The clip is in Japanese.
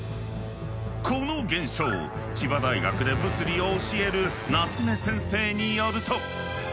この現象千葉大学で物理を教える夏目先生によると。